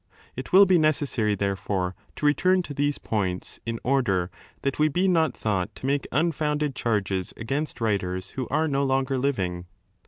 It will be necessary, therefore, to return to 2 these points, in order that we be not thought to make unfounded charges against writers who are no longer living.